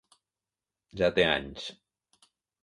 Ja té anys.